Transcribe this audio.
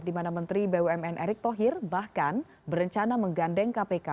di mana menteri bumn erick thohir bahkan berencana menggandeng kpk